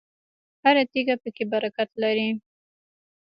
هره تیږه پکې برکت لري.